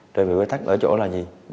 rơi vào bế tắc ở chỗ là gì